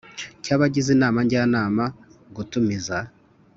Cy abagize inama njyanama gutumiza